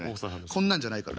こんなんじゃないからね。